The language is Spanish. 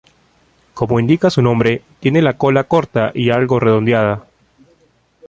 Como indica su nombre, tiene la cola corta y algo redondeada.